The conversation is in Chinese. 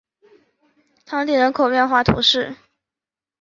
唐迪人口变化图示